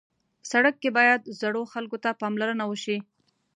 سړک کې باید زړو خلکو ته پاملرنه وشي.